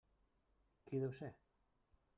Qui deu ser?